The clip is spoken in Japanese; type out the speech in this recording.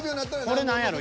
［これ何やろ？